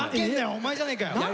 お前じゃねえかよ！